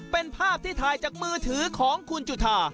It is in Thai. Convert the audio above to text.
เป็นภาพที่ถ่ายจากมือถือของคุณจุธา